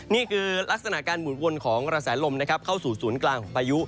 นี่คือลักษณะการหมุนวนของกระแสลมนะครับเข้าสู่ศูนย์กลางของพายุ